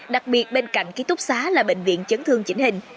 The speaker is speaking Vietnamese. đặc biệt bên cạnh ký túc xá là bệnh viện chấn thương chỉnh hình